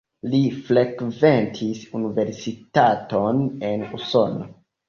Li frekventis universitaton en Usono.